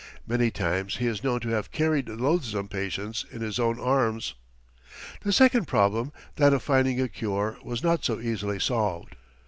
Many times he is known to have carried the loathsome patients in his own arms. The second problem, that of finding a cure, was not so easily solved.